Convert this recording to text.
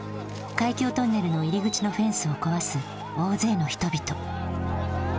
海峡トンネルの入り口のフェンスを壊す大勢の人々。